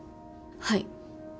はい。